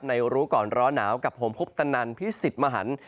รู้ก่อนร้อนหนาวกับผมพบตนันพิสิทธิ์มหัน